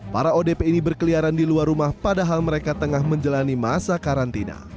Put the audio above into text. para odp ini berkeliaran di luar rumah padahal mereka tengah menjalani masa karantina